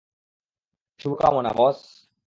শুভ কামনা, বস।